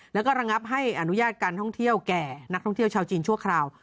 แล้วก็ระงับให้อนุญาตการท่องเที่ยวแก่นักท่องเที่ยวชาวจีนชั่วคราว